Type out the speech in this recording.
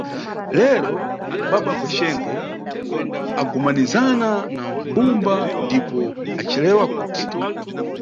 Lero, baba Gwexengwe agumanizana na mbumba ndipo acilewa kuti.